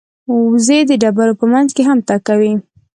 وزې د ډبرو په منځ کې هم تګ کوي